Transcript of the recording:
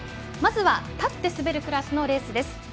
まずは立って滑るクラスのレースです。